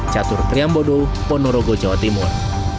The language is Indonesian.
catur triambodo ponorogo jawa timur